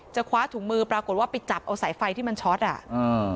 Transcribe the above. คว้าถุงมือปรากฏว่าไปจับเอาสายไฟที่มันช็อตอ่ะอืม